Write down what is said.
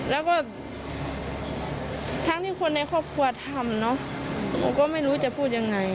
แล้วก็ทั้งที่คนในครอบครัวทำเนอะหนูก็ไม่รู้จะพูดยังไง